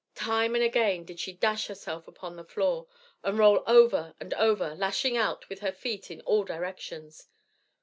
Time and again did she dash herself upon the floor, and roll over and over, lashing out with her feet in all directions.